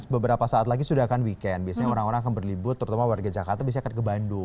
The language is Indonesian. beberapa saat lagi sudah akan weekend biasanya orang orang akan berlibur terutama warga jakarta biasanya akan ke bandung